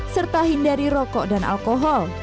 serta hindari rokok dan alkohol